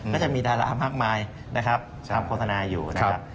ก็จะมีดารามากมายทำโฆษณาอยู่นะครับ